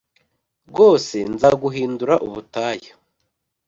Rwose nzaguhindura ubutayu